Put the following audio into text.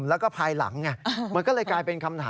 ยอมรับว่าการตรวจสอบเพียงเลขอยไม่สามารถทราบได้ว่าเป็นผลิตภัณฑ์ปลอม